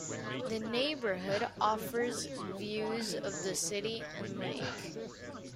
The neighborhood offers views of the city and lake.